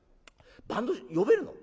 バンド呼べるの？